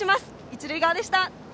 一塁側でした。